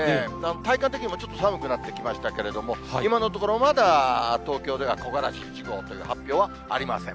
体感的にもちょっと寒くなってきましたけれども、今のところ、まだ東京では木枯らし１号という発表はありません。